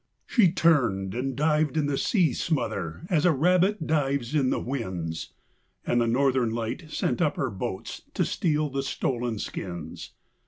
She turned and dived in the sea smother as a rabbit dives in the whins, And the Northern Light sent up her boats to steal the stolen skins.